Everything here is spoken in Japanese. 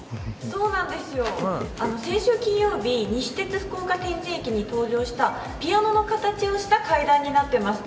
そうなんですよ、先週金曜日西鉄・福岡天神駅に登場したピアノの形をした階段になっています。